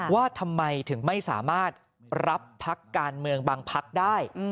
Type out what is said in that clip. ว่าทำไมถึงไม่สามารถรับพักการเมืองบางพักได้